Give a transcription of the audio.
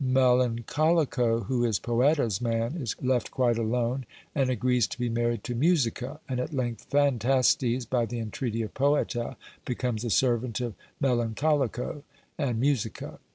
Melancholico, who is Poeta's man, is left quite alone, and agrees to be married to Musica: and at length Phantastes, by the entreaty of Poeta, becomes the servant of Melancholico, and Musica.